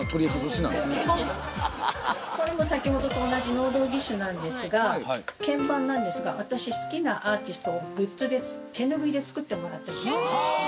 これも先ほどと同じ能動義手なんですが鍵盤なんですが私好きなアーティストをグッズで手拭いで作ってもらったりするんですね。